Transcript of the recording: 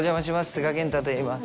須賀健太といいます。